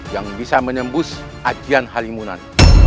yang bisa menyembus ajian halimunan